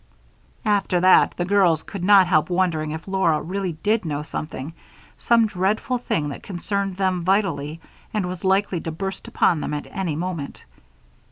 After that, the girls could not help wondering if Laura really did know something some dreadful thing that concerned them vitally and was likely to burst upon them at any moment.